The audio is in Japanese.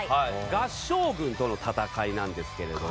合従軍との戦いなんですけれども。